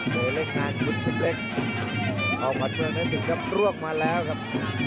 โดยเล่งงานหุ้นสุดเล็กเอาขวาเตือนให้ถึงครับร่วงมาแล้วครับ